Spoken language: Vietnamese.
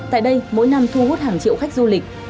tại đây mỗi năm thu hút hàng triệu khách du lịch